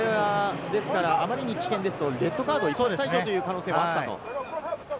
あまりに危険ですとレッドカード、退場という可能性もあったと。